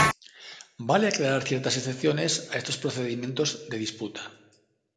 Vale aclarar ciertas excepciones a estos procedimientos de disputa.